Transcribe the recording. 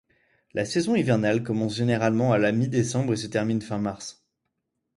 La saison hivernale commence généralement à la mi-décembre et se termine fin mars.